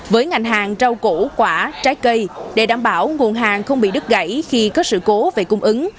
với ngành hàng rau củ quả trái cây để đảm bảo nguồn hàng không bị đứt gãy khi có sự cố về cung ứng